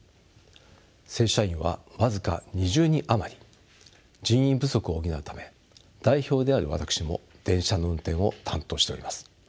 正社員は僅か２０人余り人員不足を補うため代表である私も電車の運転を担当しております。